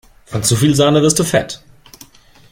Von zu viel Sahne wirst du fett!